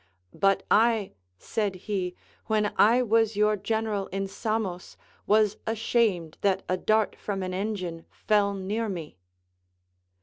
But I, said he, when I ΛΛ'as your general in Sanios, was ashamed that a dart from an engine fell near me.